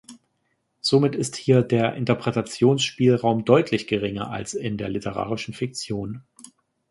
Somit ist hier der Interpretationsspielraum deutlich geringer als in der literarischen Fiktion.